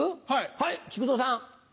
はい木久蔵さん。